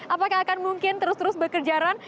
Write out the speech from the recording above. apakah akan mungkin terus terus bekerjaran